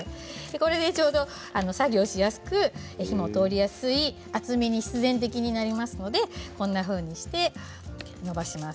これでちょうど作業もしやすく火の通りやすい厚みに必然的になりますのでこんなふうにしてのばします。